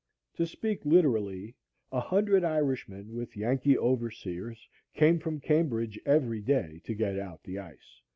To speak literally, a hundred Irishmen, with Yankee overseers, came from Cambridge every day to get out the ice.